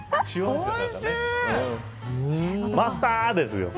マスターですよ。